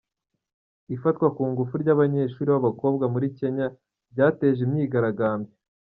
Ifatwa ku ngufu ry’ abanyeshuri b’ abakobwa muri Kenya ryateje imyigaragambyo.